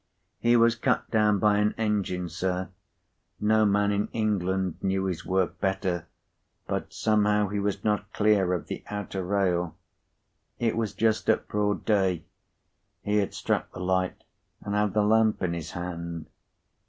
"He was cut down by an engine, sir. No man in England knew his work better. But somehow he was not clear of the outer rail. It was just at broad day. He had struck the light, and had the lamp in his hand.